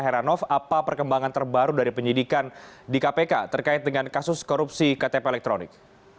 heranov apa perkembangan terbaru dari penyidikan di kpk terkait dengan kasus korupsi ktp elektronik